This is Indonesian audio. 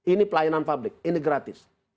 ini pelayanan publik ini gratis